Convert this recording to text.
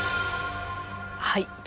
はい。